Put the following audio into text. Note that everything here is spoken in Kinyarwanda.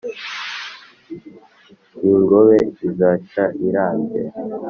iy’ingobe izica irambye